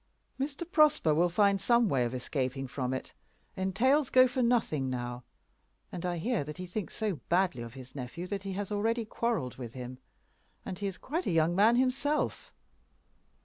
Mr. Prosper will find some way of escaping from it. Entails go for nothing now; and I hear that he thinks so badly of his nephew that he has already quarrelled with him. And he is quite a young man himself.